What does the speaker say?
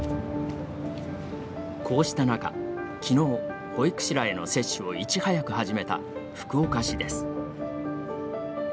こうした中、きのう保育士らへの接種をいち早く始めた福岡市です。